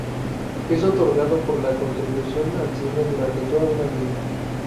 Es otorgado por la contribución al cine durante toda una vida.